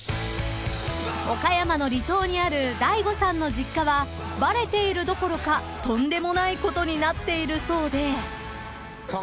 ［岡山の離島にある大悟さんの実家はバレているどころかとんでもないことになっているそうで］